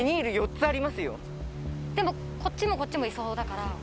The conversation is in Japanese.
でもこっちもこっちもいそうだから。